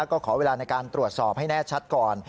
ก็ขอเวลาในการตรวจสอบให้แน่ชัดก่อน